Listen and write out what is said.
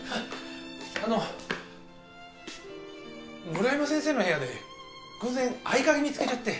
あの村山先生の部屋で偶然合鍵見つけちゃって。